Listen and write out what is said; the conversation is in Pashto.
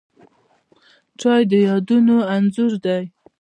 چای د یادونو انځور دی